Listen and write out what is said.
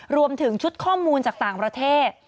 รวมถึงชุดข้อมูลจากต่างประเทศ